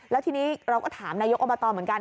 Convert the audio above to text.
แล้วทีนี้เราก็ถามนายกอบตเหมือนกัน